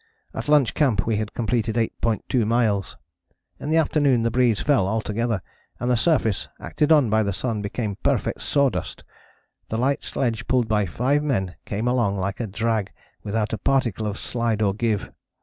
At lunch camp we had completed 8.2 miles. In the afternoon the breeze fell altogether, and the surface, acted on by the sun, became perfect sawdust. The light sledge pulled by five men came along like a drag without a particle of slide or give.